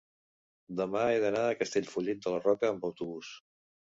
demà he d'anar a Castellfollit de la Roca amb autobús.